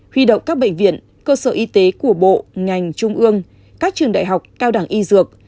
huy động các bệnh viện cơ sở y tế của bộ ngành trung ương các trường đại học cao đẳng y dược